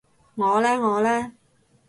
我呢我呢？